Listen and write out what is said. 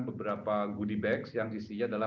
beberapa goodie bags yang isinya adalah